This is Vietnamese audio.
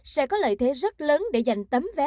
sẽ có lợi thế rất lớn để giành tấm vé